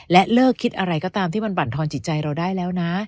และเลิกคิดอะไรก็ตามที่มันบรรทอนจิตใจเราได้แล้วนะ